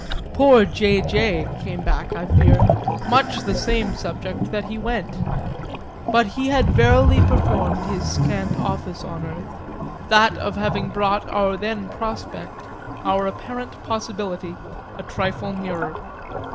Poor J. J. came back, I fear, much the same subject that he went; but he had verily performed his scant office on earth, that of having brought our then prospect, our apparent possibility, a trifle nearer.